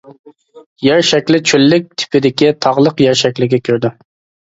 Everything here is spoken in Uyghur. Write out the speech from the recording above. يەر شەكلى چۆللۈك تىپىدىكى تاغلىق يەر شەكلىگە كىرىدۇ.